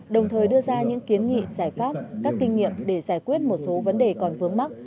đồng thời đưa ra những kiến nghị giải pháp các kinh nghiệm để giải quyết một số vấn đề còn vướng mắt